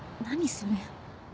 それ。